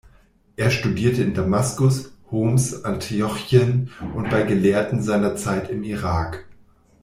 Er studierte in Damaskus, Homs, Antiochien und bei Gelehrten seiner Zeit im Irak.